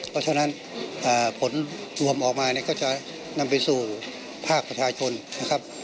เพราะฉะนั้นผลรวมออกมาเนี่ยก็จะนำไปสู่ภาคประชาชนนะครับ